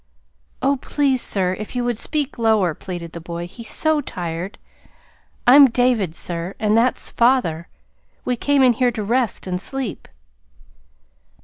"Oh, please, sir, if you would speak lower," pleaded the boy. "He's so tired! I'm David, sir, and that's father. We came in here to rest and sleep."